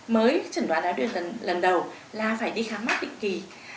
mới chẩn đoán đài tháo đường lần đầu là phải đi khám mắt định kỳ